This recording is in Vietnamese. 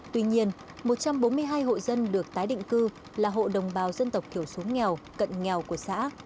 tuy nhiên một trăm bốn mươi hai hộ dân được tái định cư là hộ đồng bào dân tộc thiểu số nghèo cận nghèo của xã